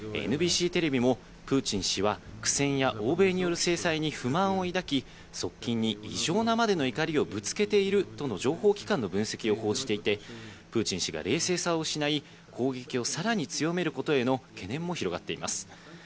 ＮＢＣテレビもプーチン氏は苦戦や欧米による制裁に不満を抱き、側近に異常なまでの怒りをぶつけているとの情報機関の分析を報じていて、プーチン氏が冷静さを失い、攻撃をさらに強めることへの懸念も広がっています。